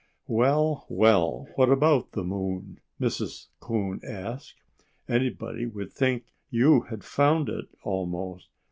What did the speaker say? "Well, well! What about the moon!" Mrs. Coon asked. "Anybody would think you had found it, almost."